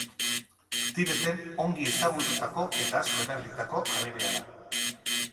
Tibeten ongi ezagututako eta asko erabilitako aberea da.